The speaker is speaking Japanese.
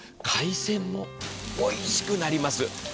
海鮮もおいしくなります。